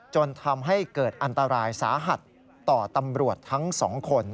จนทำให้เกิดอันตรายสาหัสต่อตำรวจทั้งสองคน